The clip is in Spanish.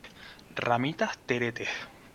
Ramitas teretes.